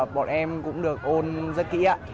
bọn em cũng được ôn rất kỹ